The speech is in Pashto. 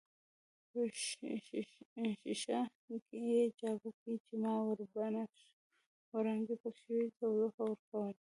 په یوې ښیښه یي جابه کې چې ماورابنفش وړانګې پکښې وې تودوخه ورکول.